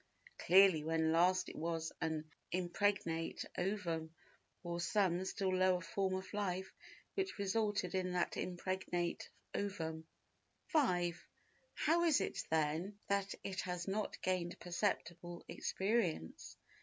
Clearly when last it was an impregnate ovum or some still lower form of life which resulted in that impregnate ovum. 5. How is it, then, that it has not gained perceptible experience?